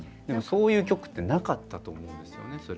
そういう曲ってなかったと思うんですよね